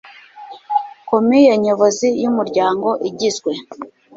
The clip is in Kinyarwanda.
Komiye nyobozi y umuryango igizwe